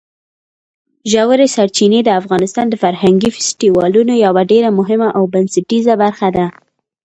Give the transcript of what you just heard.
ژورې سرچینې د افغانستان د فرهنګي فستیوالونو یوه ډېره مهمه او بنسټیزه برخه ده.